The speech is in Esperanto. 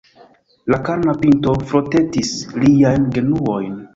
La karna pinto frotetis liajn genuojn.